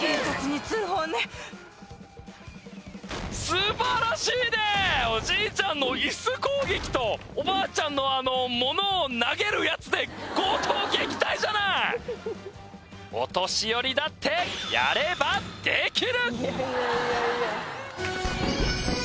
素晴らしいねおじいちゃんのイス攻撃とおばあちゃんのあの物を投げるやつで強盗を撃退じゃないお年寄りだってやればできる！